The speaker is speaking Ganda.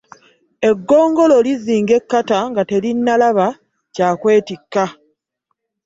Eggongolo lizinga enkata nga terinnalaba kya kwettika.